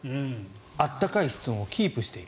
暖かい室温をキープしている。